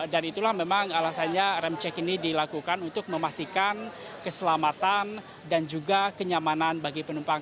dan itulah memang alasannya rem cek ini dilakukan untuk memastikan keselamatan dan juga kenyamanan bagi penumpang